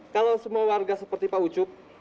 kalau semua warga seperti pak ucup